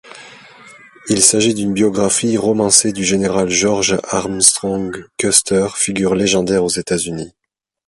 Il s'agit d'une biographie romancée du général George Armstrong Custer, figure légendaire aux États-Unis.